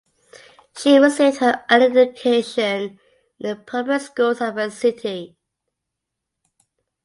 She received her early education in the public schools of her city.